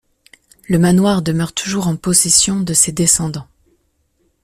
Le manoir demeure toujours en possession de ses descendants.